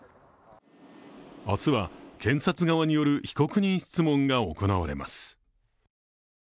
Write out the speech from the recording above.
明日は検察側による被告人質問が行われます。